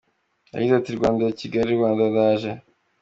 Yagize ati” Rwanda Kigali, Rwanda, ndaje…”.